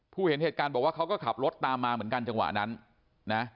เห็นเหตุการณ์บอกว่าเขาก็ขับรถตามมาเหมือนกันจังหวะนั้นนะ